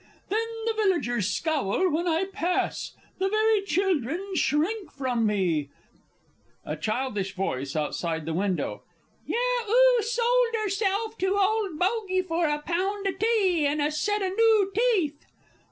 Then the villagers scowl when I pass; the very children shrink from me [A childish Voice outside window, "Yah, 'oo sold 'erself to Old Bogie for a pound o' tea an' a set o' noo teeth?"